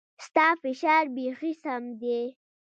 ستا فشار بيخي سم ديه.